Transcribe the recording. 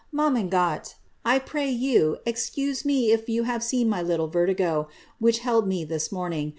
]* Mamangat, '* I pray you excase me if you have seen my little vertigo (vvtimgo) which held me this moruing.